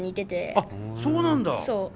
あっそうなんだ。